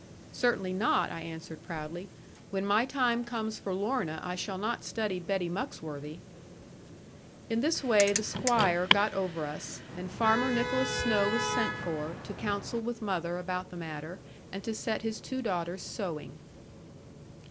'Certainly not,' I answered proudly; 'when my time comes for Lorna, I shall not study Betty Muxworthy.' In this way the Squire got over us; and Farmer Nicholas Snowe was sent for, to counsel with mother about the matter and to set his two daughters sewing.